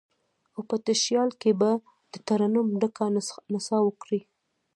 او په تشیال کې به، دترنم ډکه نڅا وکړي